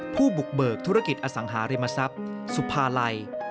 ผู้บุกเบิกธุรกิจอสังหาริมทรัพย์สุภาลัย